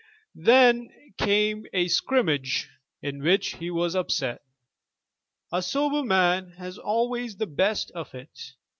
Then came a scrimmage, in which he was upset. A sober man has always the best of it."